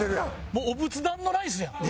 もうお仏壇のライスやん。